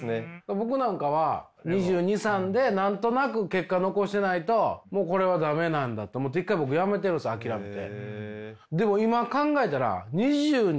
僕なんかは２２２３で何となく結果残してないともうこれは駄目なんだと思って一回僕辞めてるんです諦めて。